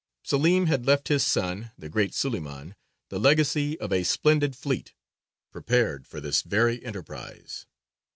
Selīm had left his son, the great Suleymān, the legacy of a splendid fleet, prepared for this very enterprize.